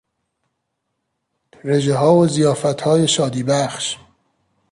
رژهها و ضیافتهای شادیبخش